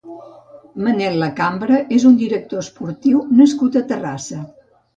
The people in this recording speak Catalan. Manel Lacambra és un dirictor esportiu nascut a Terrassa.